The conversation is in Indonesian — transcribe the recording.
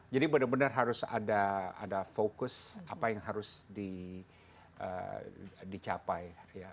jadi benar benar harus ada fokus apa yang harus dicapai